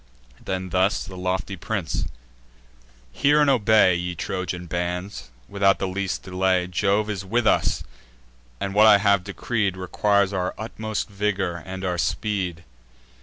Then thus the lofty prince: "Hear and obey, Ye Trojan bands, without the least delay Jove is with us; and what I have decreed Requires our utmost vigour, and our speed.